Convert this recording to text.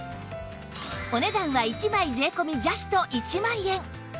お値段は１枚税込ジャスト１万円